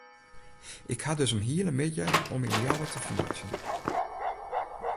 Ik ha dus in hiele middei om my yn Ljouwert te fermeitsjen.